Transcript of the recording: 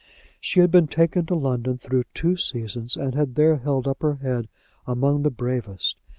She had been taken to London through two seasons, and had there held up her head among the bravest.